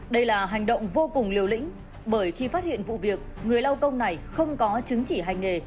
đây là hành động vô cùng liều lĩnh bởi khi phát hiện vụ việc người lao công này không có chứng chỉ hành nghề